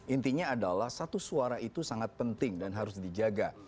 intinya adalah satu suara itu sangat penting dan harus dijaga